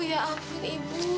ya ampun ibu